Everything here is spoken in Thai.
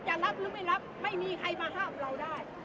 รับหรือไม่รับไม่มีใครมาห้ามเราได้